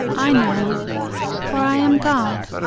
I know. For I am God.